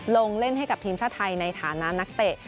ลงเล่นให้กับทีมชาติไทยในฐานะนักเตะ